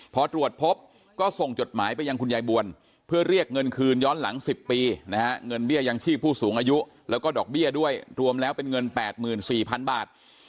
พอตรวจพบก็ส่งจดหมายไปยังคุณยายบวลเพื่อเรียกเงินคืนย้อนหลัง๑๐ปีนะฮะเงินเบี้ยยังชีพผู้สูงอายุแล้วก็ดอกเบี้ยด้วยรวมแล้วเป็นเงิน๘๔๐๐๐บาท